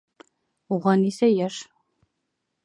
Уға нисә йәш?